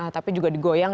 tapi juga digoyang